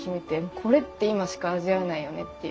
これって今しか味わえないよねっていう。